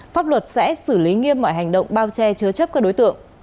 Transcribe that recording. pháp luật sẽ xử lý nghiêm mọi hành động bao che chứa chấp các đối tượng